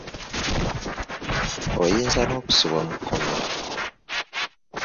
Oyinza n'okusibwa mu kkomrera.